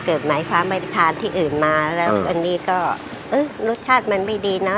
เกิดไหมฟ้าไม่ทานที่อื่นมาแล้วอันนี้ก็เอ๊ะรสชาติมันไม่ดีเนอะ